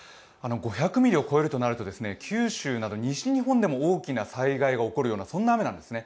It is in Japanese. ５００ミリを超えるとなると九州など西日本でも大きな災害が起こるような雨なんですね。